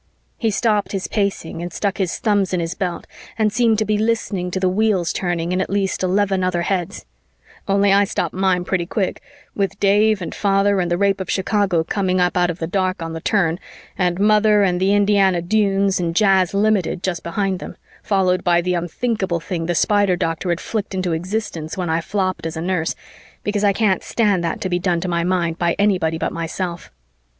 He stopped his pacing and stuck his thumbs in his belt and seemed to be listening to the wheels turning in at least eleven other heads only I stopped mine pretty quick, with Dave and Father and the Rape of Chicago coming up out of the dark on the turn and Mother and the Indiana Dunes and Jazz Limited just behind them, followed by the unthinkable thing the Spider doctor had flicked into existence when I flopped as a nurse, because I can't stand that to be done to my mind by anybody but myself.